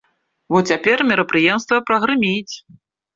Во цяпер мерапрыемства прагрыміць!